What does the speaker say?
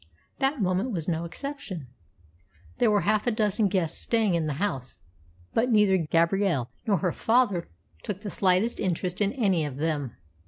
That moment was no exception. There were half a dozen guests staying in the house, but neither Gabrielle nor her father took the slightest interest in any of them.